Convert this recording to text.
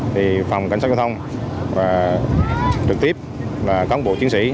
thì phòng cảnh sát giao thông trực tiếp là cán bộ chiến sĩ